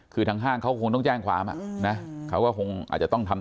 คือทางห้างเขาคงต้องแจ้งความอ่ะนะเขาก็คงอาจจะต้องทำ